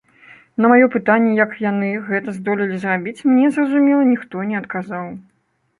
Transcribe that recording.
На мае пытанне, як яны гэта здолелі зрабіць, мне, зразумела, ніхто не адказаў.